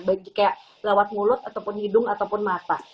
baik kayak lewat mulut ataupun hidung ataupun mata